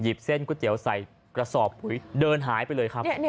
หยิบเส้นก๋วยเตี๋ยวใส่กระซอบเดินหายไปเลยครับ